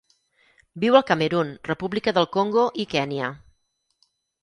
Viu al Camerun, República del Congo i Kenya.